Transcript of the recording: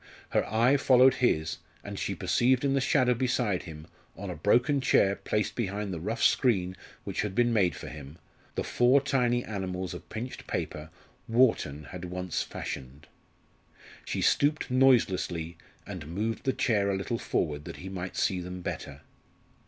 Her eye followed his, and she perceived in the shadow beside him, on a broken chair placed behind the rough screen which had been made for him, the four tiny animals of pinched paper Wharton had once fashioned. She stooped noiselessly and moved the chair a little forward that he might see them better.